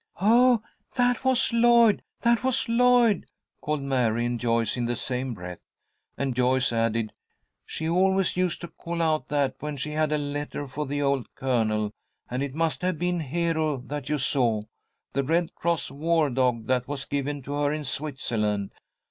"Oh, that was Lloyd! That was Lloyd!" called Mary and Joyce in the same breath, and Joyce added: "She always used to call out that when she had a letter for the old Colonel, and it must have been Hero that you saw, the Red Cross war dog that was given to her in Switzerland.